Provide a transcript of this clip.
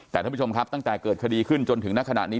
แต่ท่านผู้ชมครับตั้งแต่เกิดคดีขึ้นจนถึงณขณะนี้